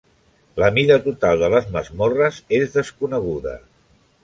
La mida total de les masmorres és desconeguda.